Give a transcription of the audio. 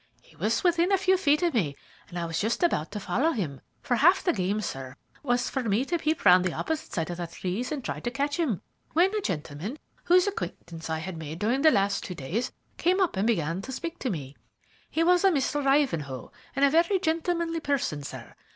He was within a few feet of me, and I was just about to follow him for half the game, sir, was for me to peep round the opposite side of the trees and try to catch him when a gentleman whose acquaintance I had made during the last two days came up and began to speak to me. He was a Mr. Ivanhoe, and a very gentlemanly person, sir.